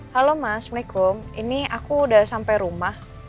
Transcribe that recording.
halo mas mikum ini aku udah sampai rumah